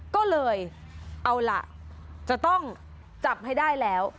ก็เลยเอาล่ะจะต้องจับให้ได้แล้ว